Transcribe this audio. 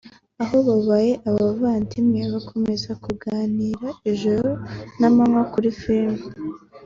aho babaye abavandimwe bakomeza kuganira ijoro n’amanywa kuri filimi